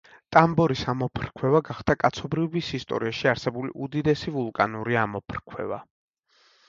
ტამბორის ამოფრქვევა გახდა კაცობრიობის ისტორიაში არსებული უდიდესი ვულკანური ამოფრქვევა.